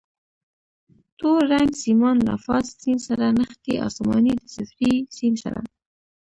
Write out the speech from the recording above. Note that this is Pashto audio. تور رنګ سیمان له فاز سیم سره نښتي، اسماني د صفري سیم سره.